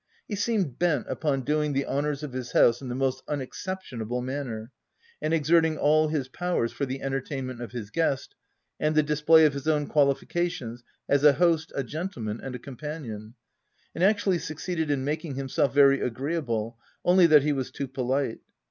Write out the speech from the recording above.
He seemed bent upon doing the honours of his house in the most unexceptionable manner, and exerting all his powers for the entertainment of his guest, and the display of his own qualifica tions as a host, a gentleman, and a companion ; and actually succeeded in making himself very agreeable — only that he was too polite.